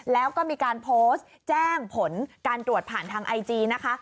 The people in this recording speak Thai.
แล้วก็มีการโพสต์แจ้งผลการตรวจผ่านทางไอจีนะคะ